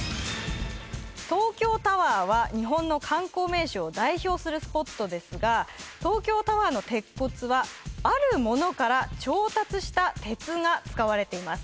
東京タワーは日本の観光名所を代表するスポットですが東京タワーの鉄骨はあるものから調達した鉄が使われています